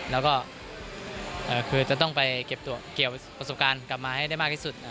แล้วก็คือจะต้องไปเก็บตัวเกี่ยวต้นศักรรณกลับมาให้ได้มากที่สุดครับ